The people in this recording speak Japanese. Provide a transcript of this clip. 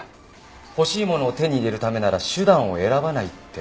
欲しいものを手に入れるためなら手段を選ばないってね。